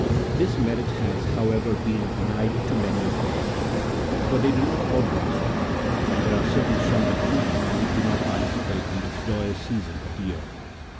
This merit has, however, been denied to many of them ; for they do not all blossom, and there are certain sombre trees which do not participate in this joyous season of the year.